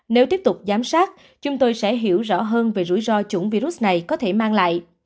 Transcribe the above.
nếu tiếp tục giám sát chúng tôi sẽ hiểu rõ hơn về rủi ro chủng virus này có thể mang lại